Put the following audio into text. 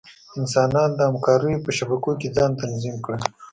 انسانان د همکاریو په شبکو کې ځان تنظیم کړل.